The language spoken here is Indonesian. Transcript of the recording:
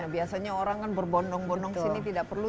biasanya orang kan berbondong bondong ke sini tidak perlu